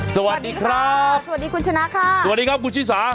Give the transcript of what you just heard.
สวัสดีครับสวัสดีคุณชนะค่ะสวัสดีครับคุณชิสา